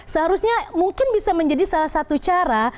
seharusnya mungkin bisa menjadi salah satu cara